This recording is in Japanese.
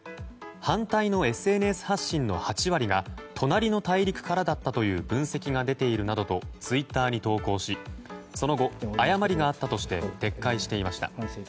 反対のＳＮＳ発信の８割が隣の大陸からだったという分析が出ているなどとツイッターに投稿しその後、誤りがあったとして撤回していました。